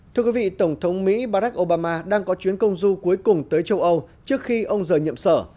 thưa quý vị tổng thống mỹ barack obama đang có chuyến công du cuối cùng tới châu âu trước khi ông rời nhiệm sở